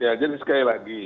ya jadi sekali lagi